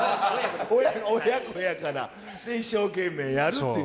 親子やから、一生懸命やるっていう。